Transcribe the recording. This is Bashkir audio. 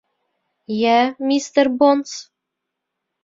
Йә, мистер Бонс...